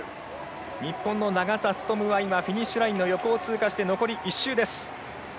日本の永田務はフィニッシュラインを通過し残り１周です。